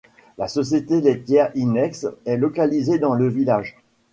La société laitière Inex est localisée dans le village.